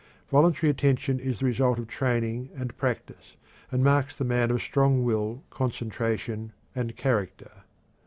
Voluntary attention is the result of training and practice, and marks the man of strong will, concentration, and character.